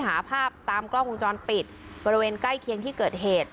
หาภาพตามกล้องวงจรปิดบริเวณใกล้เคียงที่เกิดเหตุ